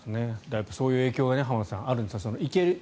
そういう影響が浜田さんあるんですね。